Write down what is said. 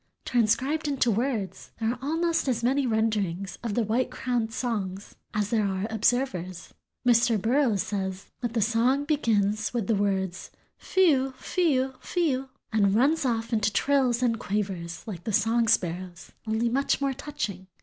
Transcribed into words, there are almost as many renderings of the White crowned's song as there are observers. Mr. Burroughs says that the song "begins with the words fe u, fe u, fe u, and runs off into trills and quavers like the song sparrow's, only much more touching."